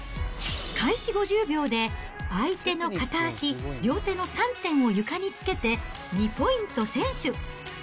開始５０秒で相手の片足、両手の３点を床につけて、２ポイント先取。